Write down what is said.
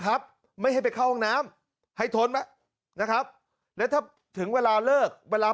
ครับไม่ให้ไปเข้าห้องน้ำให้ทนไหมนะครับแล้วถ้าถึงเวลาเลิกเวลา